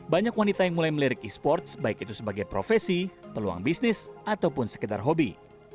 banyak wanita yang mulai melirik e sports baik itu sebagai profesi peluang bisnis ataupun sekedar hobi